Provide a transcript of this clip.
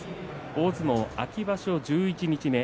大相撲秋場所、十一日目。